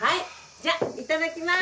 じゃあいただきます。